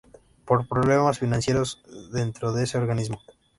Por problemas financieros dentro de ese organismo.